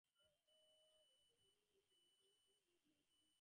অপহরণের ঘটনায় শিশুর চাচা শাহাদাত হোসেন চারজনকে আসামি করে ফুলগাজী থানায় মামলা করেছেন।